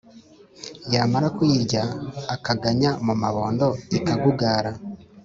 Yamara kuyirya akaganya mu mabondo ikagugara”.